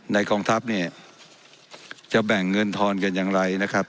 กองทัพเนี่ยจะแบ่งเงินทอนกันอย่างไรนะครับ